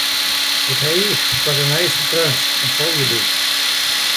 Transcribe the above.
Ik ha each foar de nijste trends en folgje dy.